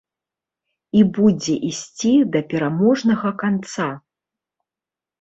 І будзе ісці да пераможнага канца.